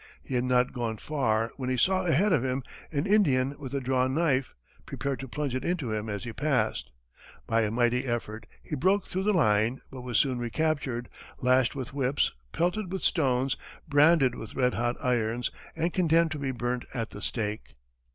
He had not gone far when he saw ahead of him an Indian with drawn knife, prepared to plunge it into him as he passed. By a mighty effort, he broke through the line, but was soon recaptured, lashed with whips, pelted with stones, branded with red hot irons, and condemned to be burnt at the stake.